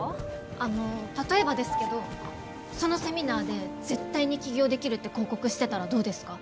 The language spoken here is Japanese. あの例えばですけどそのセミナーで「絶対に起業できる」って広告してたらどうですか？